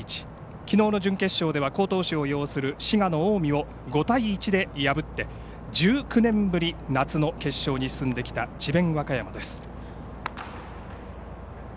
きのうの準決勝では好投手を擁する滋賀の近江を５対１で破って１９年ぶり夏の決勝に進んできた智弁